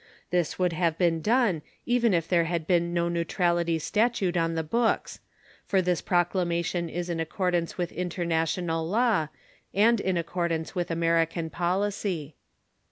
This would have been done even if there had been no neutrality statute on the books, for this proclamation is in accordance with international law and in accordance with American policy.